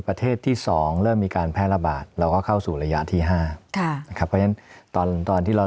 ประเทศที่สองเริ่มมีการแพร่ระบาดเราก็เข้าสู่ระยะที่ห้าค่ะนะครับเพราะฉะนั้นตอนตอนที่เรา